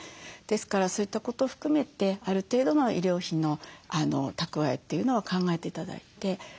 ですからそういったことを含めてある程度の医療費の蓄えというのを考えて頂いて。